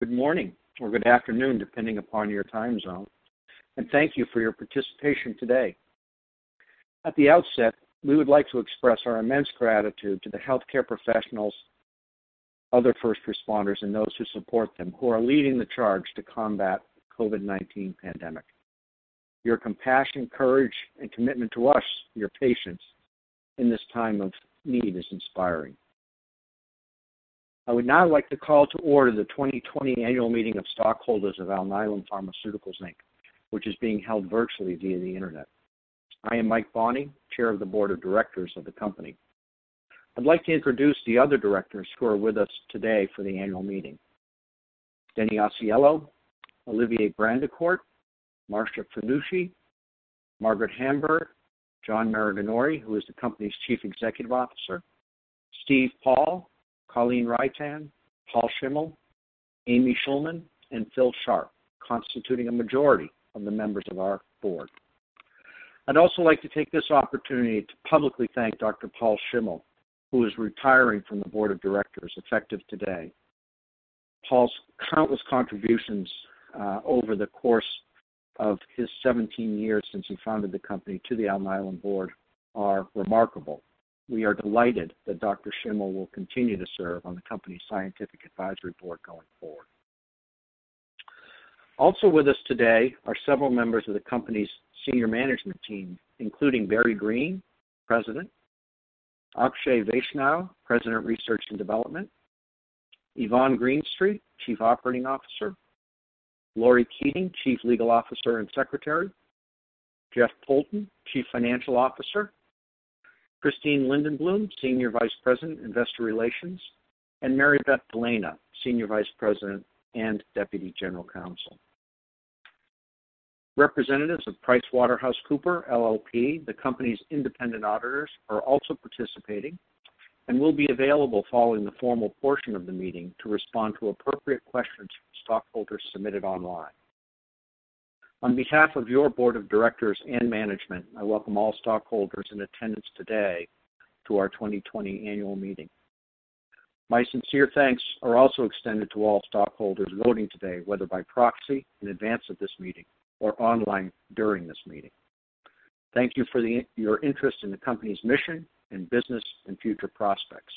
Good morning or good afternoon, depending upon your time zone. And thank you for your participation today. At the outset, we would like to express our immense gratitude to the healthcare professionals, other first responders, and those who support them, who are leading the charge to combat the COVID-19 pandemic. Your compassion, courage, and commitment to us, your patience in this time of need, is inspiring. I would now like to call to order the 2020 Annual Meeting of Stockholders of Alnylam Pharmaceuticals, Inc., which is being held virtually via the internet. I am Michael Bonney, Chair of the Board of Directors of the company. I'd like to introduce the other directors who are with us today for the annual meeting: Dennis Ausiello, Olivier Brandecourt, Marsha Fanucci, Margaret Hamburg, John Maraganore, who is the company's Chief Executive Officer, Steve Paul, Colleen Reitan, Paul Schimmel, Amy Schulman, and Phil Sharp, constituting a majority of the members of our board. I'd also like to take this opportunity to publicly thank Dr. Paul Schimmel, who is retiring from the Board of Directors effective today. Paul's countless contributions over the course of his 17 years since he founded the company to the Alnylam board are remarkable. We are delighted that Dr. Schimmel will continue to serve on the company's scientific advisory board going forward. Also with us today are several members of the company's senior management team, including Barry Greene, President; Akshay Vaishnaw, President Research and Development; Yvonne Greenstreet, Chief Operating Officer; Laurie Keating, Chief Legal Officer and Secretary; Jeff Poulton, Chief Financial Officer; Christine Lindenboom, Senior Vice President, Investor Relations; and Mary Beth DeLena, Senior Vice President and Deputy General Counsel. Representatives of PricewaterhouseCoopers, LLP, the company's independent auditors, are also participating and will be available following the formal portion of the meeting to respond to appropriate questions from stockholders submitted online. On behalf of your board of directors and management, I welcome all stockholders in attendance today to our 2020 Annual Meeting. My sincere thanks are also extended to all stockholders voting today, whether by proxy in advance of this meeting or online during this meeting. Thank you for your interest in the company's mission and business and future prospects.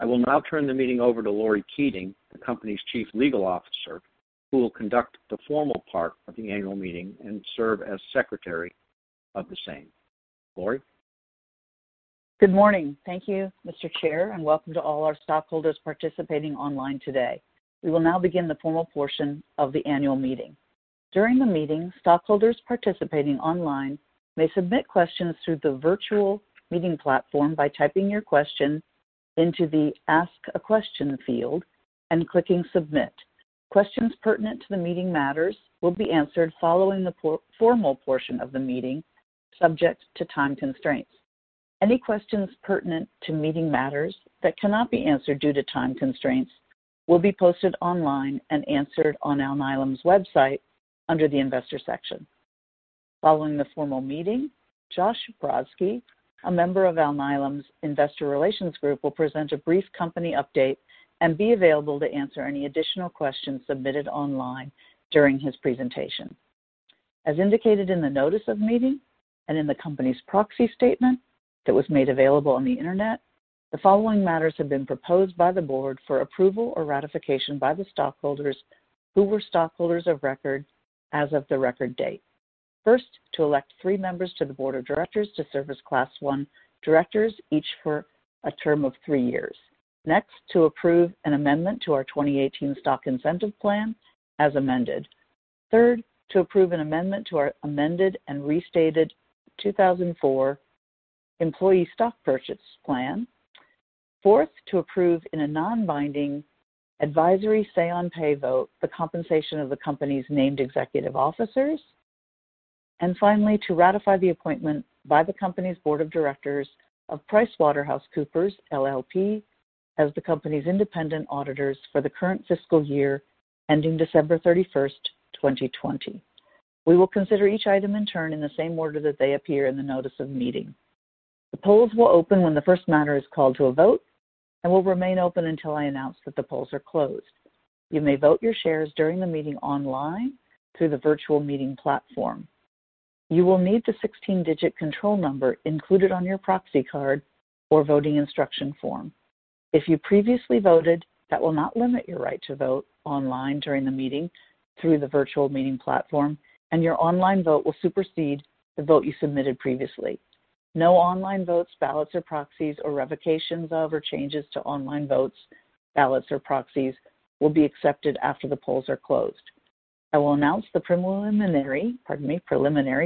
I will now turn the meeting over to Laurie Keating, the company's Chief Legal Officer, who will conduct the formal part of the annual meeting and serve as Secretary of the same. Laurie? Good morning. Thank you, Mr. Chair, and welcome to all our stockholders participating online today. We will now begin the formal portion of the annual meeting. During the meeting, stockholders participating online may submit questions through the virtual meeting platform by typing your question into the Ask a Question field and clicking Submit. Questions pertinent to the meeting matters will be answered following the formal portion of the meeting, subject to time constraints. Any questions pertinent to meeting matters that cannot be answered due to time constraints will be posted online and answered on Alnylam's website under the Investor section. Following the formal meeting, Josh Brodsky, a member of Alnylam's Investor Relations Group, will present a brief company update and be available to answer any additional questions submitted online during his presentation. As indicated in the Notice of Meeting and in the company's proxy statement that was made available on the internet, the following matters have been proposed by the board for approval or ratification by the stockholders who were stockholders of record as of the record date: First, to elect three members to the Board of Directors to serve as Class 1 directors, each for a term of three years. Next, to approve an amendment to our 2018 Stock Incentive Plan as amended. Third, to approve an amendment to our amended and restated 2004 Employee Stock Purchase Plan. Fourth, to approve in a non-binding advisory say-on-pay vote the compensation of the company's named executive officers. And finally, to ratify the appointment by the company's Board of Directors of PricewaterhouseCoopers LLP as the company's independent auditors for the current fiscal year ending December 31st, 2020. We will consider each item in turn in the same order that they appear in the Notice of Meeting. The polls will open when the first matter is called to a vote and will remain open until I announce that the polls are closed. You may vote your shares during the meeting online through the virtual meeting platform. You will need the 16-digit control number included on your proxy card or voting instruction form. If you previously voted, that will not limit your right to vote online during the meeting through the virtual meeting platform, and your online vote will supersede the vote you submitted previously. No online votes, ballots, or proxies, or revocations of or changes to online votes, ballots, or proxies will be accepted after the polls are closed. I will announce the preliminary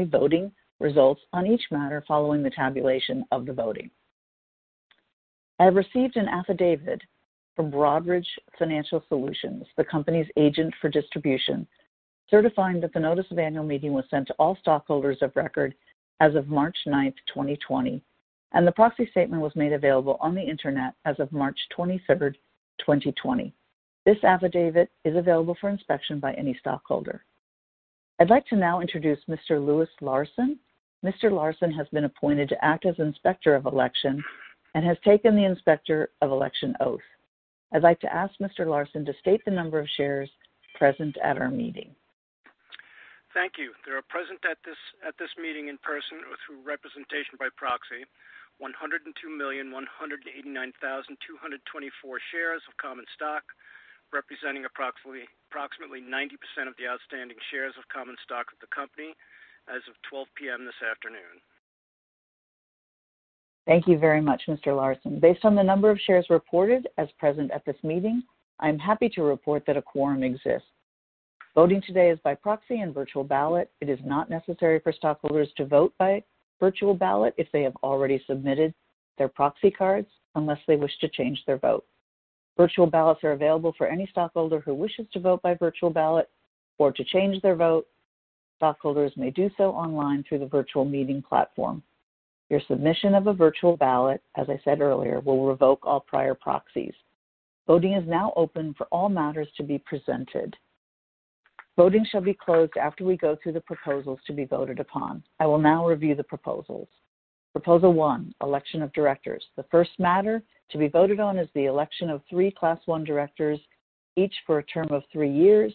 voting results on each matter following the tabulation of the voting. I have received an affidavit from Broadridge Financial Solutions, the company's agent for distribution, certifying that the Notice of Annual Meeting was sent to all stockholders of record as of March 9th, 2020, and the Proxy statement was made available on the internet as of March 23rd, 2020. This affidavit is available for inspection by any stockholder. I'd like to now introduce Mr. Louis Larson. Mr. Larson has been appointed to act as Inspector of Election and has taken the Inspector of Election oath. I'd like to ask Mr. Larson to state the number of shares present at our meeting. Thank you. There are present at this meeting in person or through representation by proxy 102,189,224 shares of common stock, representing approximately 90% of the outstanding shares of common stock of the company as of 12:00 P.M. this afternoon. Thank you very much, Mr. Larson. Based on the number of shares reported as present at this meeting, I'm happy to report that a quorum exists. Voting today is by proxy and virtual ballot. It is not necessary for stockholders to vote by virtual ballot if they have already submitted their proxy cards, unless they wish to change their vote. Virtual ballots are available for any stockholder who wishes to vote by virtual ballot or to change their vote. Stockholders may do so online through the virtual meeting platform. Your submission of a virtual ballot, as I said earlier, will revoke all prior proxies. Voting is now open for all matters to be presented. Voting shall be closed after we go through the proposals to be voted upon. I will now review the proposals. Proposal 1, Election of Directors. The first matter to be voted on is the election of three Class 1 directors, each for a term of three years.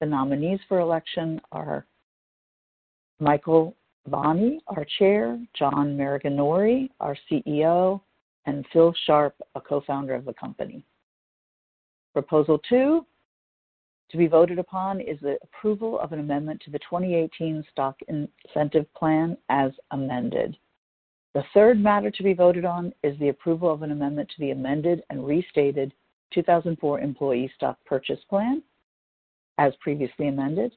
The nominees for election are Michael Bonney, our Chair; John Maraganore, our CEO; and Phil Sharp, a co-founder of the company. Proposal 2 to be voted upon is the approval of an amendment to the 2018 Stock Incentive Plan as amended. The third matter to be voted on is the approval of an amendment to the amended and restated 2004 Employee Stock Purchase Plan as previously amended.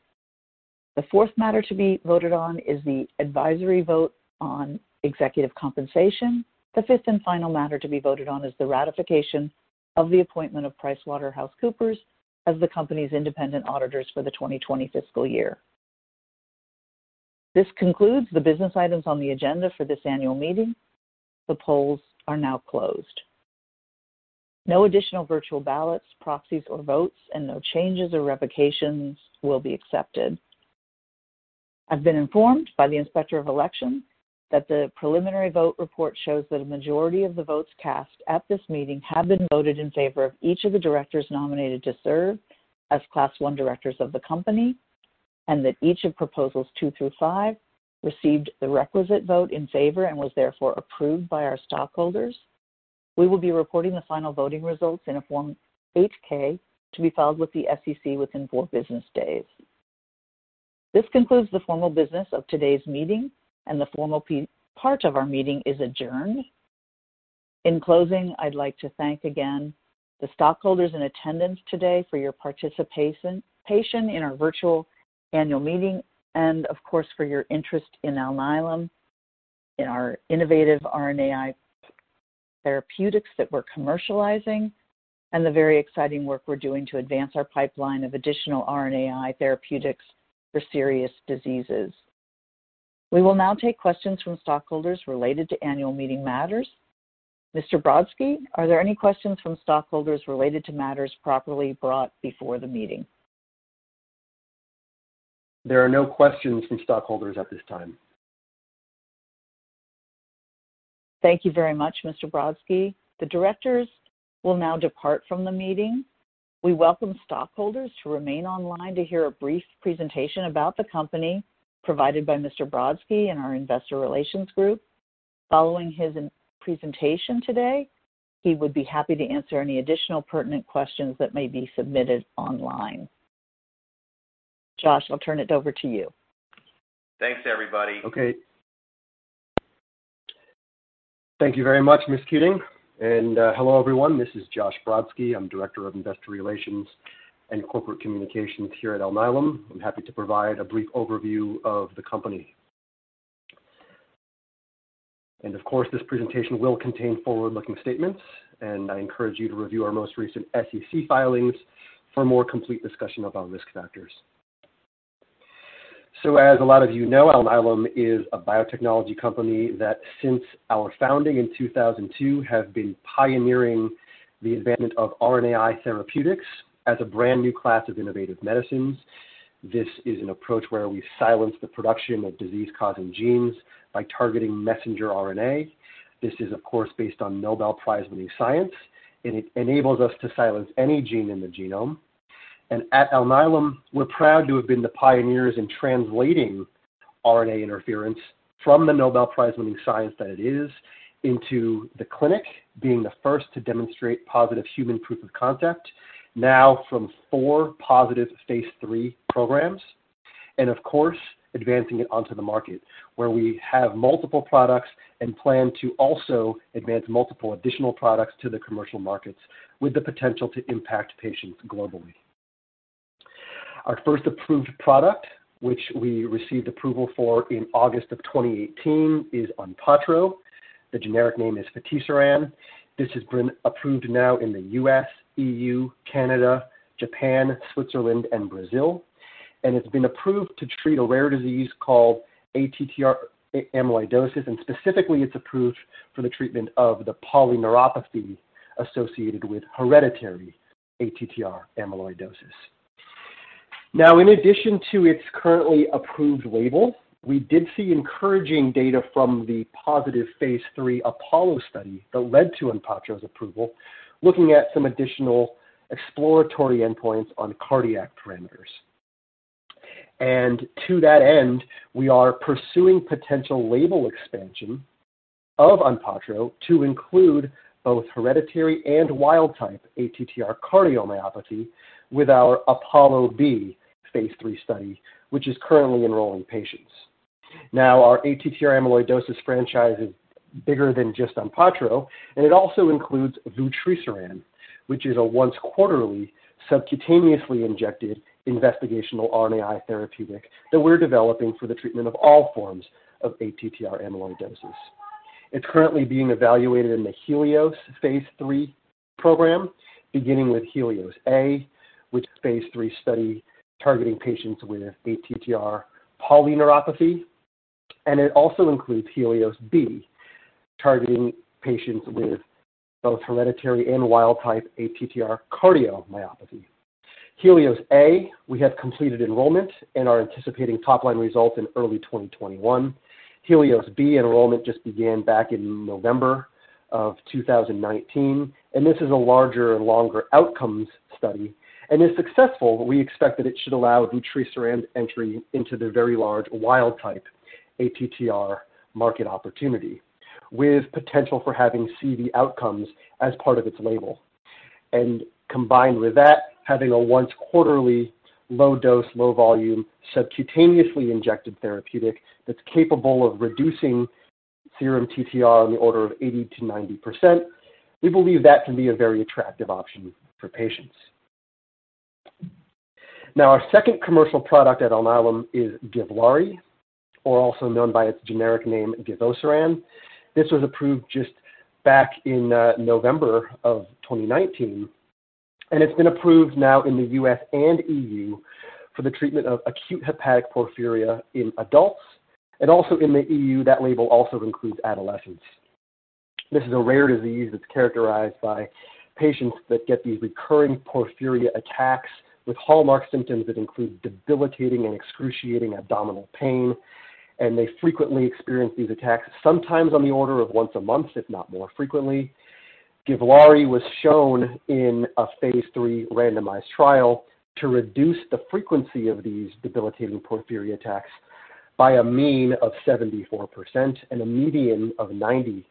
The fourth matter to be voted on is the advisory vote on executive compensation. The fifth and final matter to be voted on is the ratification of the appointment of PricewaterhouseCoopers as the company's independent auditors for the 2020 fiscal year. This concludes the business items on the agenda for this annual meeting. The polls are now closed. No additional virtual ballots, proxies, or votes, and no changes or revocations will be accepted. I've been informed by the Inspector of Election that the preliminary vote report shows that a majority of the votes cast at this meeting have been voted in favor of each of the directors nominated to serve as Class 1 directors of the company, and that each of proposals 2 through 5 received the requisite vote in favor and was therefore approved by our stockholders. We will be reporting the final voting results in a Form 8-K to be filed with the SEC within four business days. This concludes the formal business of today's meeting, and the formal part of our meeting is adjourned. In closing, I'd like to thank again the stockholders in attendance today for your participation in our virtual annual meeting and, of course, for your interest in Alnylam, in our innovative RNAi therapeutics that we're commercializing, and the very exciting work we're doing to advance our pipeline of additional RNAi therapeutics for serious diseases. We will now take questions from stockholders related to annual meeting matters. Mr. Brodsky, are there any questions from stockholders related to matters properly brought before the meeting? There are no questions from stockholders at this time. Thank you very much, Mr. Brodsky. The directors will now depart from the meeting. We welcome stockholders to remain online to hear a brief presentation about the company provided by Mr. Brodsky and our Investor Relations Group. Following his presentation today, he would be happy to answer any additional pertinent questions that may be submitted online. Josh, I'll turn it over to you. Thanks, everybody. Okay. Thank you very much, Ms. Keating. And hello, everyone. This is Josh Brodsky. I'm Director of Investor Relations and Corporate Communications here at Alnylam. I'm happy to provide a brief overview of the company. And, of course, this presentation will contain forward-looking statements, and I encourage you to review our most recent SEC filings for a more complete discussion about risk factors. As a lot of you know, Alnylam is a biotechnology company that, since our founding in 2002, has been pioneering the advancement of RNAi therapeutics as a brand new class of innovative medicines. This is an approach where we silence the production of disease-causing genes by targeting messenger RNA. This is, of course, based on Nobel Prize-winning science, and it enables us to silence any gene in the genome. At Alnylam, we're proud to have been the pioneers in translating RNA interference from the Nobel Prize-winning science that it is into the clinic being the first to demonstrate positive human proof of concept, now from four positive phase 3 programs, and, of course, advancing it onto the market, where we have multiple products and plan to also advance multiple additional products to the commercial markets with the potential to impact patients globally. Our first approved product, which we received approval for in August of 2018, is ONPATTRO. The generic name is patisiran. This has been approved now in the U.S., E.U., Canada, Japan, Switzerland, and Brazil, and it's been approved to treat a rare disease called ATTR amyloidosis, and specifically, it's approved for the treatment of the polyneuropathy associated with hereditary ATTR amyloidosis. Now, in addition to its currently approved label, we did see encouraging data from the positive phase 3 Apollo study that led to ONPATTRO's approval, looking at some additional exploratory endpoints on cardiac parameters, and to that end, we are pursuing potential label expansion of ONPATTRO to include both hereditary and wild-type ATTR cardiomyopathy with our Apollo B P3 study, which is currently enrolling patients. Now, our ATTR amyloidosis franchise is bigger than just ONPATTRO, and it also includes vutrisiran, which is a once-quarterly subcutaneously injected investigational RNAi therapeutic that we're developing for the treatment of all forms of ATTR amyloidosis. It's currently being evaluated in the Helios phase 3 program, beginning with Helios A, which is a phase 3 study targeting patients with ATTR polyneuropathy, and it also includes Helios B, targeting patients with both hereditary and wild-type ATTR cardiomyopathy. Helios A, we have completed enrollment and are anticipating top-line results in early 2021. Helios B enrollment just began back in November of 2019, and this is a larger and longer outcomes study, and if successful, we expect that it should allow Vutrisiran's entry into the very large wild-type ATTR market opportunity, with potential for having CV outcomes as part of its label, and combined with that, having a once-quarterly low-dose, low-volume, subcutaneously injected therapeutic that's capable of reducing serum TTR on the order of 80%-90%, we believe that can be a very attractive option for patients. Now, our second commercial product at Alnylam is GIVLAARI, or also known by its generic name, givosiran. This was approved just back in November of 2019, and it's been approved now in the U.S. and E.U. for the treatment of acute hepatic porphyria in adults, and also in the E.U., that label also includes adolescents. This is a rare disease that's characterized by patients that get these recurring porphyria attacks with hallmark symptoms that include debilitating and excruciating abdominal pain, and they frequently experience these attacks, sometimes on the order of once a month, if not more frequently. GIVLAARI was shown in a phase III randomized trial to reduce the frequency of these debilitating porphyria attacks by a mean of 74% and a median of 90%.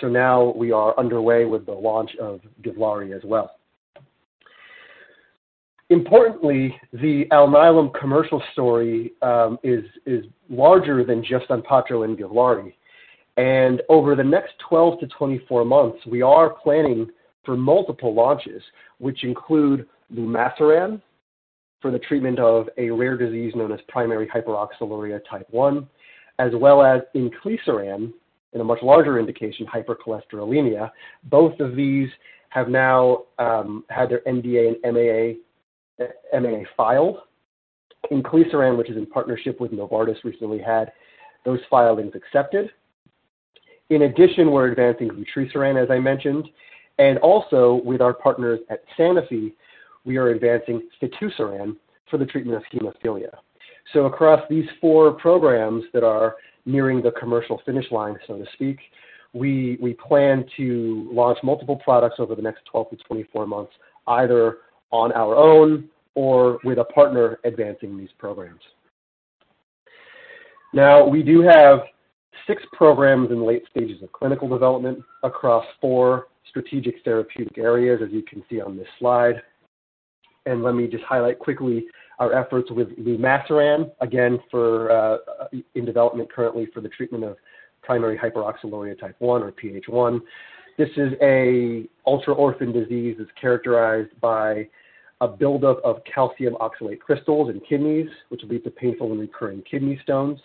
So now we are underway with the launch of GIVLAARI as well. Importantly, the Alnylam commercial story is larger than just ONPATTRO and Givlaari, and over the next 12 to 24 months, we are planning for multiple launches, which include Lumasiran for the treatment of a rare disease known as primary hyperoxaluria type 1, as well as Inclisiran in a much larger indication, hypercholesterolemia. Both of these have now had their NDA and MAA filed. Inclisiran, which is in partnership with Novartis, recently had those filings accepted. In addition, we're advancing Vutrisiran, as I mentioned, and also with our partners at Sanofi, we are advancing Fitusiran for the treatment of hemophilia. So across these four programs that are nearing the commercial finish line, we plan to launch multiple products over the next 12 to 24 months, either on our own or with a partner advancing these programs. Now, we do have six programs in the late stages of clinical development across four strategic therapeutic areas, as you can see on this slide. And let me just highlight quickly our efforts with Lumasiran, again, in development currently for the treatment of primary hyperoxaluria type 1 or PH1. This is an ultra-orphan disease that's characterized by a buildup of calcium oxalate crystals in kidneys, which leads to painful and recurring kidney stones.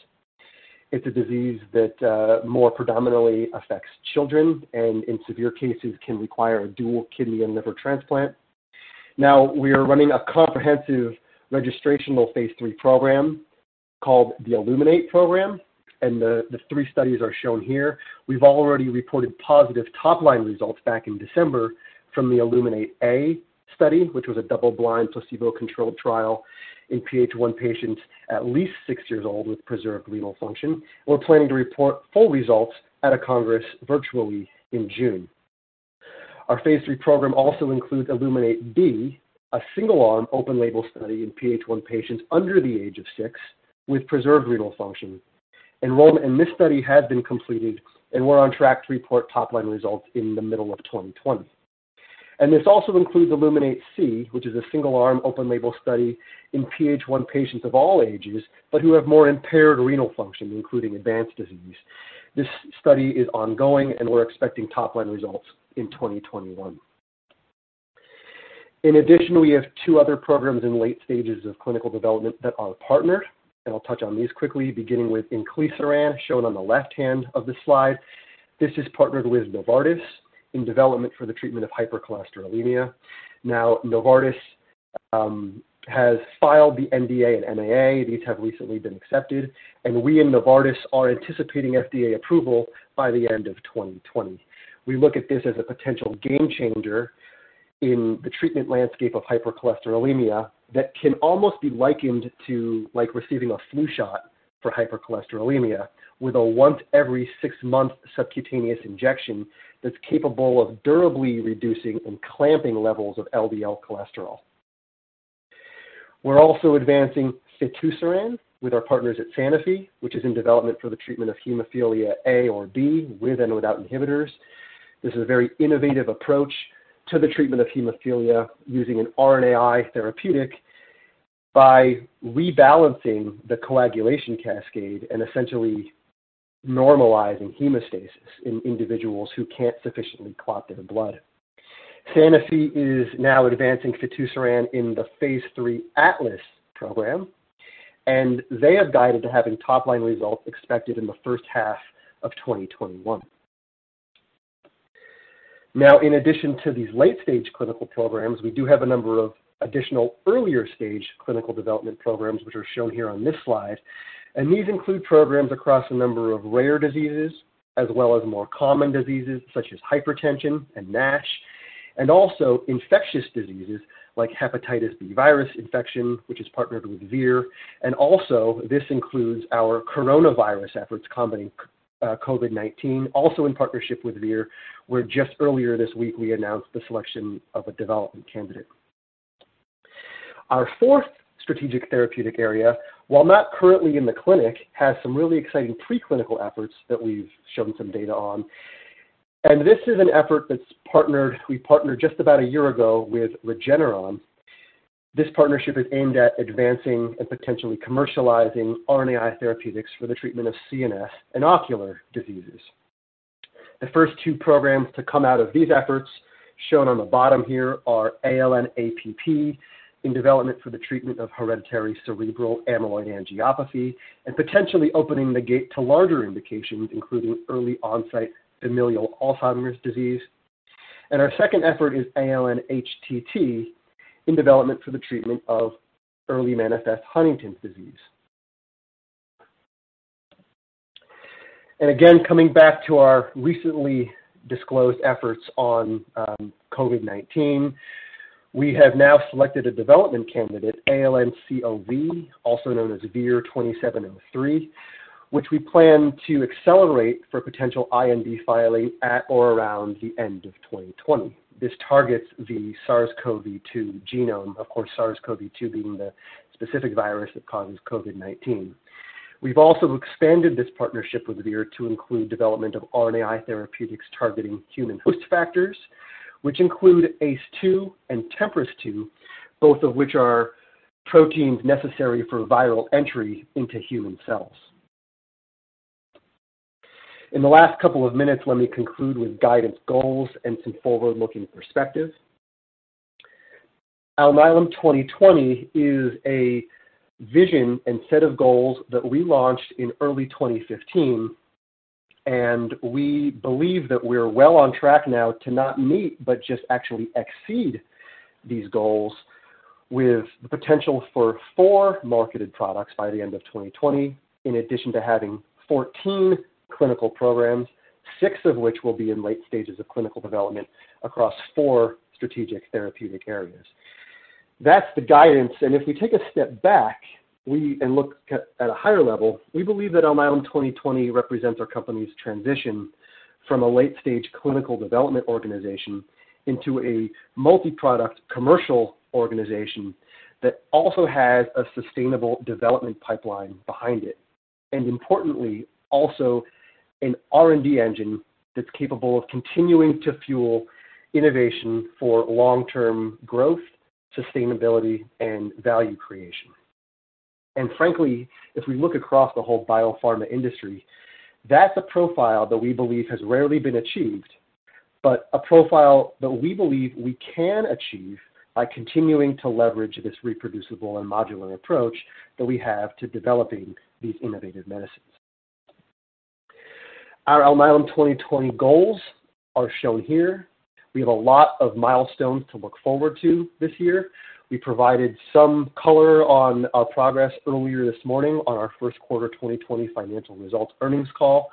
It's a disease that more predominantly affects children and, in severe cases, can require a dual kidney and liver transplant. Now, we are running a comprehensive registrational phase 3 program called the Illuminate program, and the three studies are shown here. We've already reported positive top-line results back in December from the Illuminate A study, which was a double-blind placebo-controlled trial in PH1 patients at least six years old with preserved renal function. We're planning to report full results at a congress virtually in June. Our phase III program also includes Illuminate B, a single-arm open-label study in PH1 patients under the age of six with preserved renal function. Enrollment in this study has been completed, and we're on track to report top-line results in the middle of 2020, and this also includes Illuminate C, which is a single-arm open-label study in PH1 patients of all ages, but who have more impaired renal function, including advanced disease. This study is ongoing, and we're expecting top-line results in 2021. In addition, we have two other programs in the late stages of clinical development that are partnered, and I'll touch on these quickly, beginning with Inclisiran, shown on the left hand of the slide. This is partnered with Novartis in development for the treatment of hypercholesterolemia. Now, Novartis has filed the NDA and MAA. These have recently been accepted, and we in Novartis are anticipating FDA approval by the end of 2020. We look at this as a potential game changer in the treatment landscape of hypercholesterolemia that can almost be likened to receiving a flu shot for hypercholesterolemia with a once-every-six-month subcutaneous injection that's capable of durably reducing and clamping levels of LDL cholesterol. We're also advancing fitusiran with our partners at Sanofi, which is in development for the treatment of hemophilia A or B with and without inhibitors. This is a very innovative approach to the treatment of hemophilia using an RNAi therapeutic by rebalancing the coagulation cascade and essentially normalizing hemostasis in individuals who can't sufficiently clot their blood. Sanofi is now advancing fitusiran in the phase III Atlas program, and they have guided to having top-line results expected in the first half of 2021. Now, in addition to these late-stage clinical programs, we do have a number of additional earlier-stage clinical development programs, which are shown here on this slide, and these include programs across a number of rare diseases as well as more common diseases such as hypertension and NASH, and also infectious diseases like hepatitis B virus infection, which is partnered with Vir, and also, this includes our coronavirus efforts combating COVID-19, also in partnership with Vir, where just earlier this week we announced the selection of a development candidate. Our fourth strategic therapeutic area, while not currently in the clinic, has some really exciting preclinical efforts that we've shown some data on, and this is an effort that's partnered, we partnered just about a year ago with Regeneron. This partnership is aimed at advancing and potentially commercializing RNAi therapeutics for the treatment of CNS and ocular diseases. The first two programs to come out of these efforts, shown on the bottom here, are ALN-APP in development for the treatment of hereditary cerebral amyloid angiopathy and potentially opening the gate to larger indications, including early-onset familial Alzheimer's disease. And our second effort is ALN-HTT in development for the treatment of early manifest Huntington's disease. And again, coming back to our recently disclosed efforts on COVID-19, we have now selected a development candidate, ALN-COV, also known as VIR-2703, which we plan to accelerate for potential IND filing at or around the end of 2020. This targets the SARS-CoV-2 genome, of course, SARS-CoV-2 being the specific virus that causes COVID-19. We've also expanded this partnership with Vir to include development of RNAi therapeutics targeting human host factors, which include ACE2 and TMPRSS2, both of which are proteins necessary for viral entry into human cells. In the last couple of minutes, let me conclude with guidance goals and some forward-looking perspective. Alnylam 2020 is a vision and set of goals that we launched in early 2015, and we believe that we're well on track now to not meet, but just actually exceed these goals with the potential for four marketed products by the end of 2020, in addition to having 14 clinical programs, six of which will be in late stages of clinical development across four strategic therapeutic areas. That's the guidance, and if we take a step back and look at a higher level, we believe that Alnylam 2020 represents our company's transition from a late-stage clinical development organization into a multi-product commercial organization that also has a sustainable development pipeline behind it, and importantly, also an R&D engine that's capable of continuing to fuel innovation for long-term growth, sustainability, and value creation. Frankly, if we look across the whole biopharma industry, that's a profile that we believe has rarely been achieved, but a profile that we believe we can achieve by continuing to leverage this reproducible and modular approach that we have to developing these innovative medicines. Our Alnylam 2020 goals are shown here. We have a lot of milestones to look forward to this year. We provided some color on our progress earlier this morning on our first quarter 2020 financial results earnings call.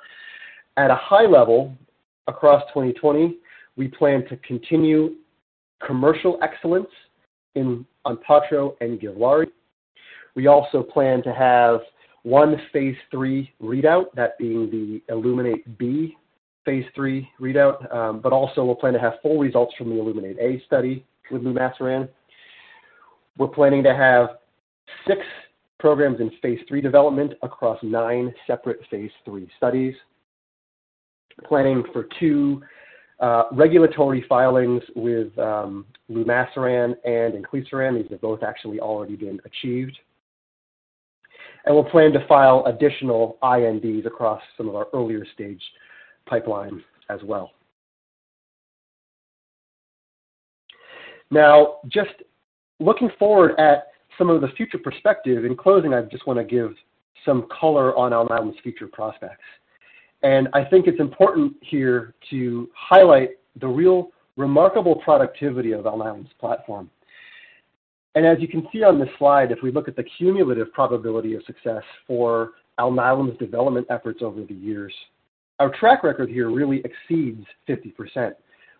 At a high level, across 2020, we plan to continue commercial excellence in ONPATTRO and GIVLAARI. We also plan to have one phase III readout, that being the Illuminate B phase III readout, but also we'll plan to have full results from the Illuminate A study with Lumasiran. We're planning to have six programs in phase III development across nine separate phase III studies. Planning for two regulatory filings with Lumasiran and Inclisiran. These have both actually already been achieved, and we'll plan to file additional INDs across some of our earlier-stage pipelines as well. Now, just looking forward at some of the future perspective, in closing, I just want to give some color on Alnylam's future prospects, and I think it's important here to highlight the real remarkable productivity of Alnylam's platform, and as you can see on this slide, if we look at the cumulative probability of success for Alnylam's development efforts over the years, our track record here really exceeds 50%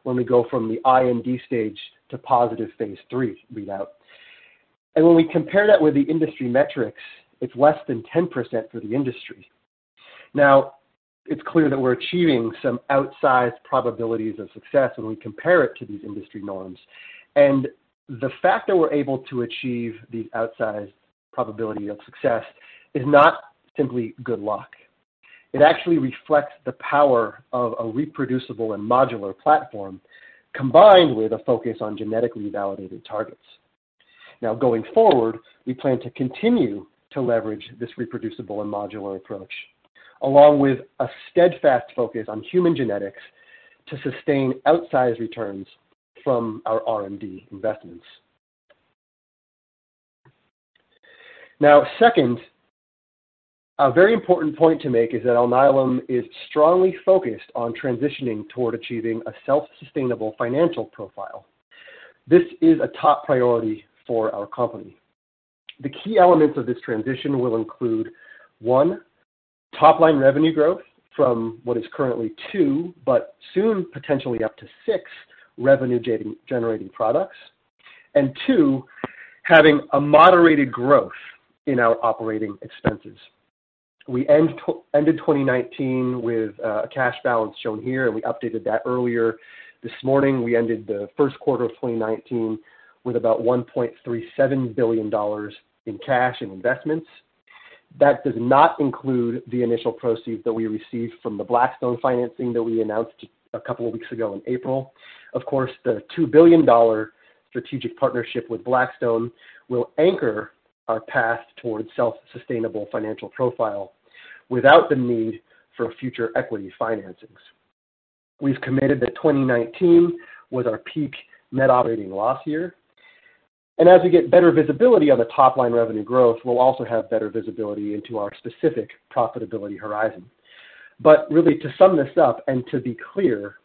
when we go from the IND stage to positive phase III readout, and when we compare that with the industry metrics, it's less than 10% for the industry. Now, it's clear that we're achieving some outsized probabilities of success when we compare it to these industry norms, and the fact that we're able to achieve these outsized probabilities of success is not simply good luck. It actually reflects the power of a reproducible and modular platform combined with a focus on genetically validated targets. Now, going forward, we plan to continue to leverage this reproducible and modular approach, along with a steadfast focus on human genetics to sustain outsized returns from our R&D investments. Now, second, a very important point to make is that Alnylam is strongly focused on transitioning toward achieving a self-sustainable financial profile. This is a top priority for our company. The key elements of this transition will include: one, top-line revenue growth from what is currently two, but soon potentially up to six revenue-generating products, and two, having a moderated growth in our operating expenses. We ended 2019 with a cash balance shown here, and we updated that earlier this morning. We ended the first quarter of 2019 with about $1.37 billion in cash and investments. That does not include the initial proceeds that we received from the Blackstone financing that we announced a couple of weeks ago in April. Of course, the $2 billion strategic partnership with Blackstone will anchor our path toward a self-sustainable financial profile without the need for future equity financings. We've committed that 2019 was our peak net operating loss year, and as we get better visibility on the top-line revenue growth, we'll also have better visibility into our specific profitability horizon. Really, to sum this up and to be clear,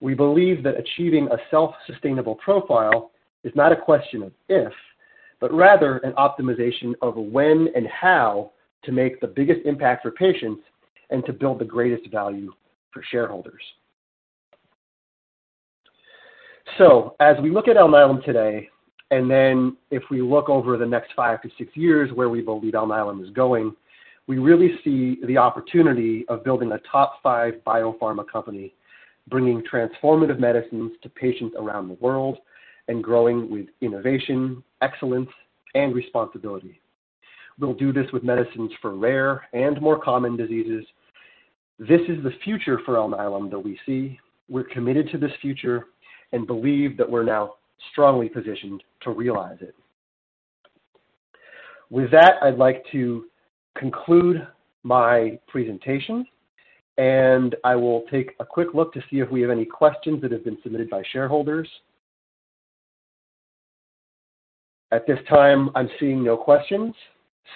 we believe that achieving a self-sustainable profile is not a question of if, but rather an optimization of when and how to make the biggest impact for patients and to build the greatest value for shareholders. As we look at Alnylam today, and then if we look over the next five to six years where we believe Alnylam is going, we really see the opportunity of building a top-five biopharma company, bringing transformative medicines to patients around the world and growing with innovation, excellence, and responsibility. We'll do this with medicines for rare and more common diseases. This is the future for Alnylam that we see. We're committed to this future and believe that we're now strongly positioned to realize it. With that, I'd like to conclude my presentation, and I will take a quick look to see if we have any questions that have been submitted by shareholders. At this time, I'm seeing no questions.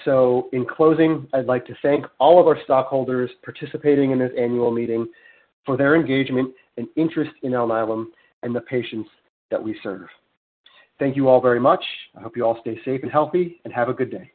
So, in closing, I'd like to thank all of our stockholders participating in this annual meeting for their engagement and interest in Alnylam and the patients that we serve. Thank you all very much. I hope you all stay safe and healthy and have a good day.